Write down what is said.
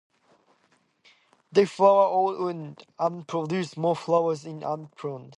They flower on old wood, and produce more flowers if unpruned.